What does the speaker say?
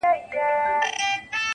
خو اصلي درد هېڅوک نه درک کوي سم,